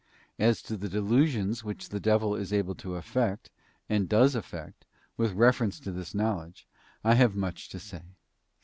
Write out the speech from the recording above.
As to the delusions which the devil is able to effect, and does effect, with reference to this knowledge, I have much to say.